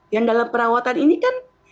yang dalam perawatan ini kan